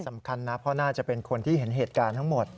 สำคัญนะเพราะน่าจะเป็นคนที่เห็นเหตุการณ์ทั้งหมด